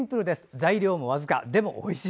材料も僅か、でもおいしい。